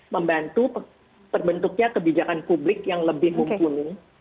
membantu terbentuknya kebijakan publik yang lebih mumpuni